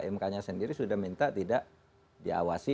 mk nya sendiri sudah minta tidak diawasi